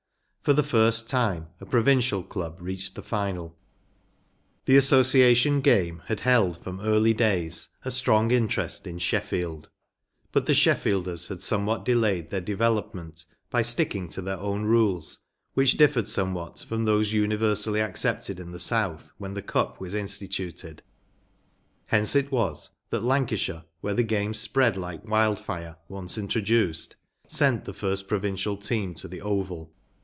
For the first time a provincial club reached the final. Original from UNIVERSITY OF MICHIGAN TEAMS THAT NAVE IVON THE ASSOCIATION CUP, 457 The Association game had held from early days a strong interest in Sheffield, But the Sheffielders had somewhat delayed their development by sticking to their own rules, which differed somewhat from those uni¬ versally accepted in the South when the Cup was instituted. Hence it was that Lancashire, where the game spread like wild fire when once introduced, sent the first provincial team to the Oval.